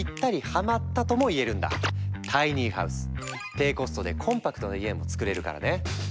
低コストでコンパクトな家もつくれるからね！